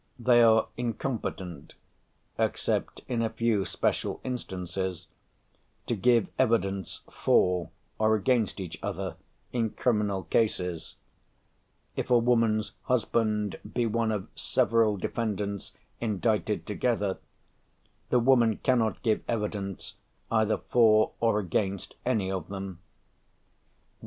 They are incompetent except in a few special instances to give evidence for or against each other in criminal cases; if a woman's husband be one of several defendants indicted together, the woman cannot give evidence either for or against any of them.